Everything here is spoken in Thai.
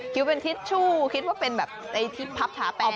คิวเป็นทิชชู่คิดว่าเป็นแบบที่พับท้าแป้ง